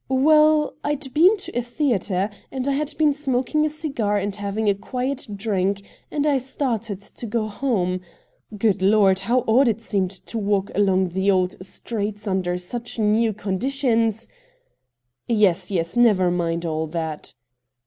Well, I'd been to a theatre, and I had been smoking a cigar and having a quiet drink, and I started to go home. Good Lord ! how odd it seemed to walk aloncr the old streets under such new conditions ' 'Yes, yes — never mind all that.'